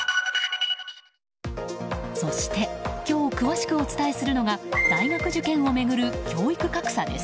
そして今日詳しくお伝えするのが大学受験を巡る教育格差です。